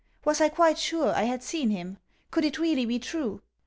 Was I quite sure I had seen him? Could it really be true!'